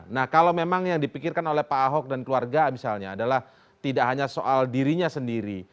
nah kalau memang yang dipikirkan oleh pak ahok dan keluarga misalnya adalah tidak hanya soal dirinya sendiri